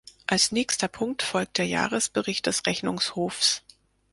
Als nächster Punkt folgt der Jahresbericht des Rechnungshofs.